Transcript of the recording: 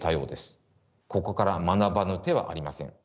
ここから学ばぬ手はありません。